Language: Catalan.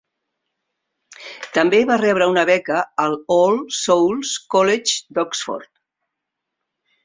També va rebre una beca al All Souls College d'Oxford.